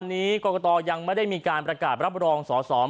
วันนี้กรกตยังไม่ได้มีการประกาศรับรองสอสอ